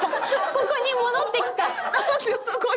ここに戻ってきた！